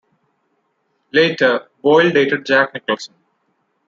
Later, Boyle dated Jack Nicholson.